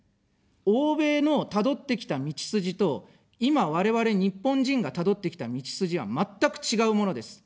欧米のたどってきた道筋と、今、我々日本人がたどってきた道筋は全く違うものです。